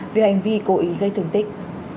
về hành vi cố ý gây thường tích